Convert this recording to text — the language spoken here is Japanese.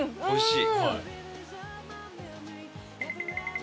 おいしい！